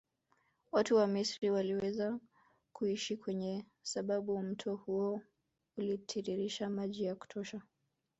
Watu wa Misri waliweza kuishi kwa sababu mto huo ulitiiririsha maji ya kutosha